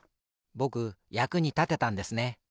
ぼくやくにたてたんですね。